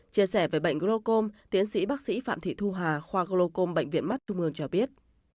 chia sẻ về bệnh gluocom tiến sĩ bác sĩ phạm thị thu hà khoa gluocom bệnh viện mắt trung mương cho biết